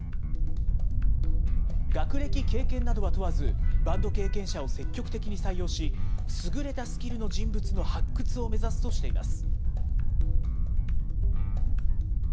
学歴、経験などは問わず、バンド経験者を積極的に採用し、優れたスキルの人物の発掘を目指すとしています。